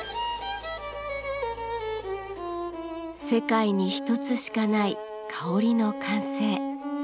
世界に一つしかない香りの完成。